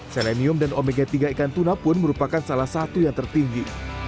selenium dan omega tiga ikan tuna pun merupakan salah satu yang tertinggi